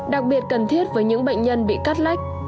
đặc biệt cần thiết với những bệnh nhân bị cắt lách